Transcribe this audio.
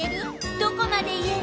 どこまで言える？